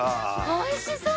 おいしそう！